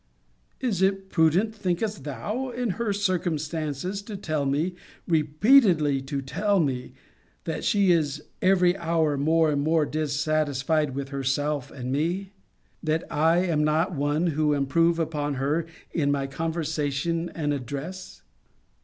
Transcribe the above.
Is it prudent, thinkest thou, in her circumstances, to tell me, repeatedly to tell me, 'That she is every hour more and more dissatisfied with herself and me? That I am not one who improve upon her in my conversation and address?'